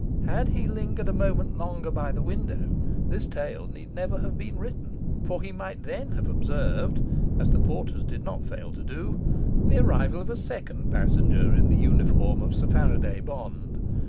Had he lingered a moment longer by the window, this tale need never have been written. For he might then have observed (as the porters did not fail to do) the arrival of a second passenger in the uniform of Sir Faraday Bond.